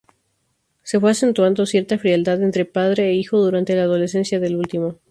Se fue acentuando cierta frialdad entre padre e hijo durante la adolescencia del último.